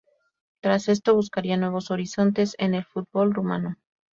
Tras esto, buscaría nuevos horizontes en el fútbol rumano.